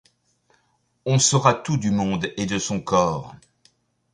On saura tout du monde et de son corps.